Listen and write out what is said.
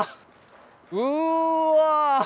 うわ！